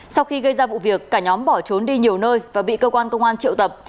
sau khi gây ra vụ việc cả nhóm bỏ trốn đi nhiều nơi và bị cơ quan công an triệu tập